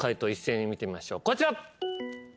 こちら。